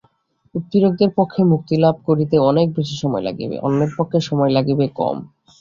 উৎপীড়কদের পক্ষে মুক্তিলাভ করিতে অনেক বেশী সময় লাগিবে, অন্যের পক্ষে সময় লাগিবে কম।